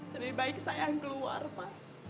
lebih baik saya yang keluar mas